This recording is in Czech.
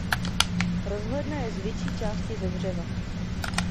Rozhledna je z větší části ze dřeva.